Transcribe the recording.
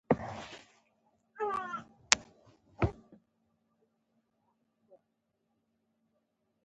دښمنانو د هېواد د نیولو لپاره بیلابیلې لارې کارولې دي